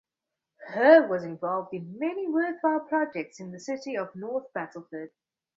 Herb was involved in many worthwhile projects in the city of North Battleford.